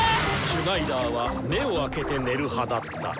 シュナイダーは目をあけて寝る派だった！